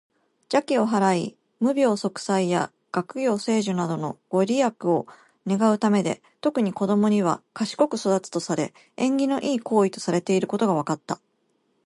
邪気を払い、無病息災や学業成就などのご利益を願うためで、特に子どもには「賢く育つ」とされ、縁起の良い行為とされていることが分かった。